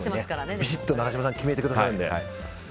びしっと永島さん決めてくださるんで。